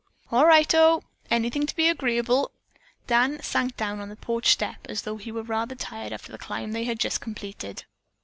"All righto! Anything to be agreeable." Dan sank down on the porch step as though he were rather tired after the climb they had just completed.